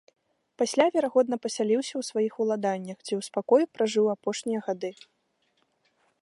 Пасля, верагодна, пасяліўся ў сваіх уладаннях, дзе ў спакоі пражыў апошнія гады.